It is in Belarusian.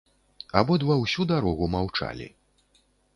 Абодва ўсю дарогу маўчалі.